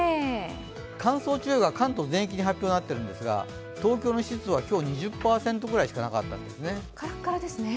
乾燥注意報が関東全域に発表になっているんですが、東京の湿度は今日２０％ぐらいしかなかったんです。